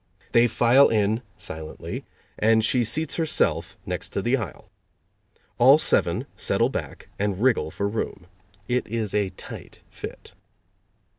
They file in silently and she seats herself next the aisle. All seven settle back and wriggle for room. It is a tight fit.